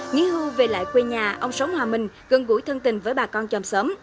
nghĩ hưu về lại quê nhà ông sống hòa minh gần gũi thân tình với bà con chồng xóm